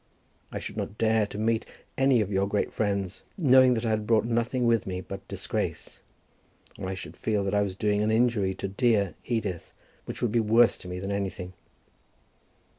I should not dare to meet any of your great friends, knowing that I had brought nothing with me but disgrace. And I should feel that I was doing an injury to dear Edith, which would be worse to me than anything.